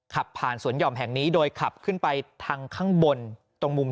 ขับผ่านสวนห่อมแห่งนี้โดยขับขึ้นไปทางข้างบนตรงมุม